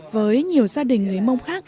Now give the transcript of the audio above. với nhiều gia đình người mông khác